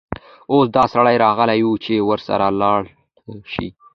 اوس دا سړى راغلى وو، چې ورسره ولاړه شې.